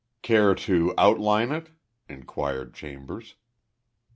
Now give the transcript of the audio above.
"Care to outline it?" inquired Chambers.